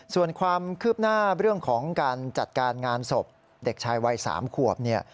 ส่วนความคืบหน้าเรื่องของการจัดการงานศพเด็กชายวัย๓ขวบเนี่ย